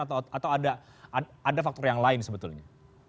atau ada faktor yang lain sebetulnya